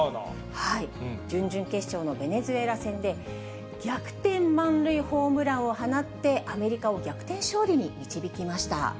準々決勝のベネズエラ戦で、逆転満塁ホームランを放って、アメリカを逆転勝利に導きました。